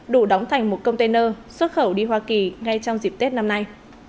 đủ đóng thành một container xuất khẩu đi hoa kỳ ngay trong dịp tết năm nay